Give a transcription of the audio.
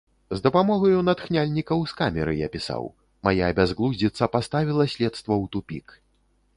З дапамогаю натхняльнікаў з камеры я пісаў, мая бязглуздзіца паставіла следства ў тупік.